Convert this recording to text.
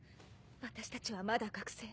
私たちはまだ学生。